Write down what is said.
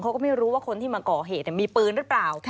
เขาก็ไม่รู้ว่าคนที่มาก่อเหตุมีปืนหรือเปล่า